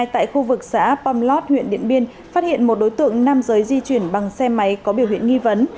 tại khu vực xã pomlot huyện điện biên phát hiện một đối tượng nam giới di chuyển bằng xe máy có biểu hiện nghi vấn